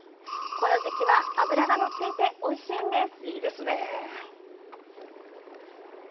この時期は脂がのっていておいしいんです！